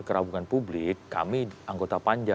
kerabungan publik kami anggota panja